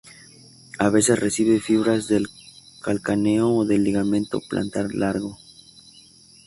A veces recibe fibras del calcáneo o del ligamento plantar largo.